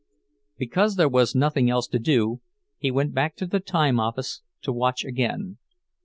Because there was nothing else to do, he went back to the time office to watch again.